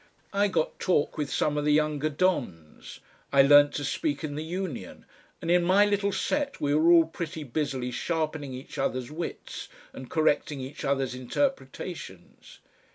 I got talk with some of the younger dons, I learnt to speak in the Union, and in my little set we were all pretty busily sharpening each other's wits and correcting each other's interpretations.